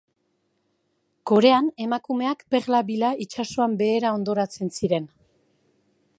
Korean emakumeak perla bila itsasoan behera hondoratzen ziren.